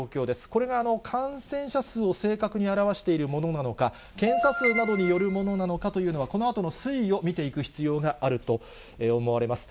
これが感染者数を正確に表わしているものなのか、検査数などによるものなのかというのは、このあとの推移を見ていく必要があると思われます。